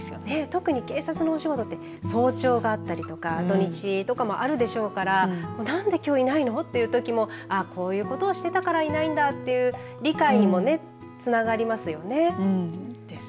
特に警察のお仕事って早朝があったり土日のところもあるでしょうから何できょういないのというこういうことをしていたからいないんだという理解にもつながりますよね。